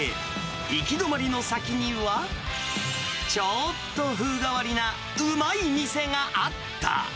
行き止まりの先には、ちょっと風変わりなうまい店があった。